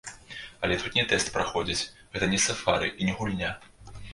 Але тут не тэст праходзяць, гэта не сафары і не гульня.